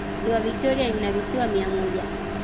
ziwa victoria lina visiwa mia moja